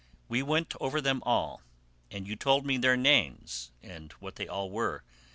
We went over them all, and you told me their names and what they all were.